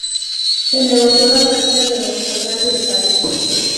Se negoció la salida de los asaltantes del país.